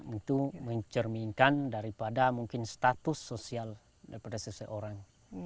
untuk mencerminkan daripada mungkin status sosial daripada seseorang